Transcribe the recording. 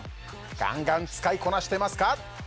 ガンガン使いこなしてますか？